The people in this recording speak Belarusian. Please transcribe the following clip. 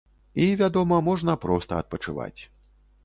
І, вядома, можна проста адпачываць.